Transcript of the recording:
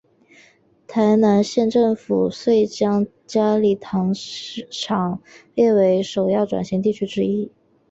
台南县政府遂将佳里糖厂列为首要转型地点之一。